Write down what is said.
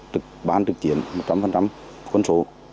trực bán trực chiến một trăm linh quân số